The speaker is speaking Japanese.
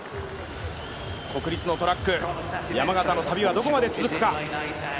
国立のトラック、山縣の旅はどこまで続くか。